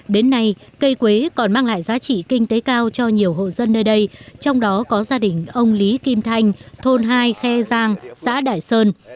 đến nay cây quế còn mang lại giá trị kinh tế cao cho nhiều hộ dân nơi đây trong đó có gia đình ông lý kim thanh thôn hai khe giang xã đại sơn